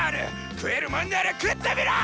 食えるもんなら食ってみろ！